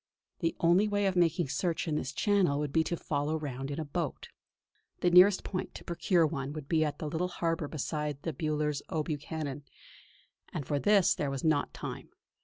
The only way of making search of this channel would be to follow round in a boat. The nearest point to procure one would be at the little harbour beside the Bullers O'Buchan, and for this there was not time.